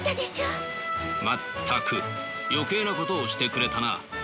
全く余計なことをしてくれたな。